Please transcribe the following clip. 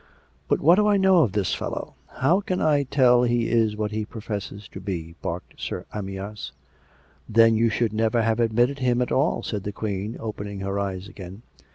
" But what do I know of this fellow ? How can I tell he is what he professes to be? " barked Sir Amyas. " Then you should never have admitted him at all," said the Queen, opening her eyes again.